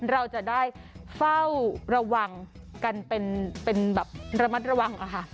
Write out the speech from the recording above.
เราจะได้เฝ้าระวังกันเป็นแบบระมัดระวังค่ะ